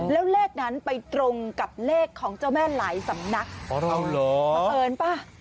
แล้วเลขนั้นไปตรงกับเลขของเจ้าแม่หลายสำนักอ๋อเราเหรอบังเอิญป่ะ